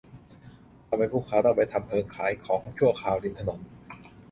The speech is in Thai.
ทำให้ผู้ค้า ต้องไปทำเพิงขายของชั่วคราวริมถนน